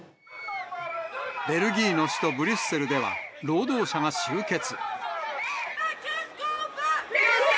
ベルギーの首都ブリュッセルでは、労働者が集結。